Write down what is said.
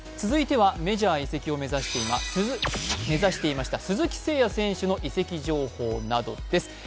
続いてはメジャー移籍を目指していました鈴木誠也選手の移籍情報などです。